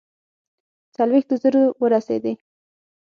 څلوېښتو زرو ورسېدی.